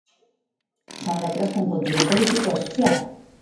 Son letras con contido político e social.